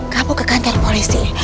kamu ke kantor polisi